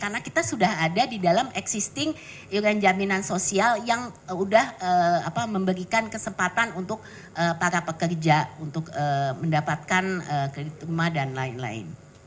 karena kita sudah ada di dalam existing iuran jaminan sosial yang udah memberikan kesempatan untuk para pekerja untuk mendapatkan kredit rumah dan lain lain